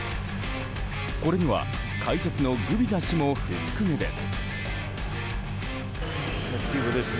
これには解説のグビザ氏も不服げです。